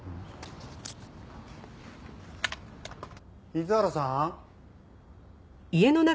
水原さん？